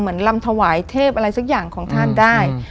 ลำถวายเทพอะไรสักอย่างของท่านได้